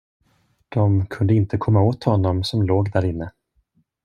De kunde inte komma åt honom som låg därinne.